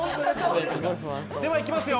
では行きますよ。